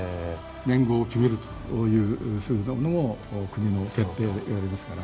年号を決めるというふうなものも国の決定でやりますから。